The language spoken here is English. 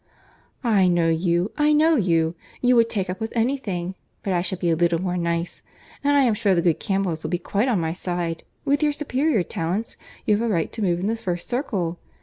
"I know you, I know you; you would take up with any thing; but I shall be a little more nice, and I am sure the good Campbells will be quite on my side; with your superior talents, you have a right to move in the first circle.